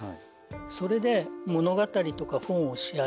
それで物語とか本を仕上げる。